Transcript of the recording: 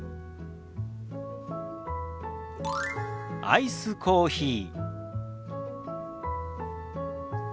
「アイスコーヒー」。